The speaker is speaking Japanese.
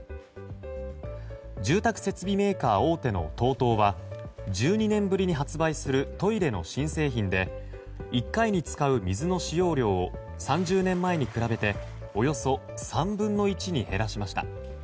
住宅設備メーカー大手のＴＯＴＯは１２年ぶりに発売するトイレの新製品で１回に使う水の使用量を３０年前に比べておよそ３分の１に減らしました。